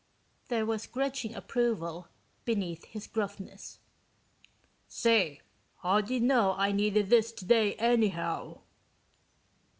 There was grudging approval beneath his gruffness. "Say, how'd you know I needed this today, anyhow?"